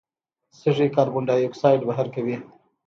سږي کاربن ډای اکساید بهر کوي.